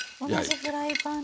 同じフライパンに？